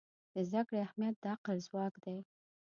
د زده کړې اهمیت د عقل ځواک دی.